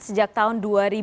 sejak tahun dua ribu